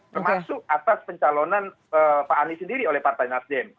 termasuk atas pencalonan pak anies sendiri oleh partai nasdem